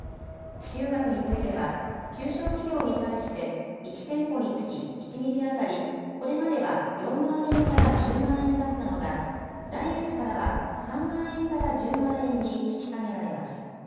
支給額については中小企業に対して１店舗につき一日当たりこれまでは４万円から１０万円だったのが来月からは３万円から１０万円に引き下げられます。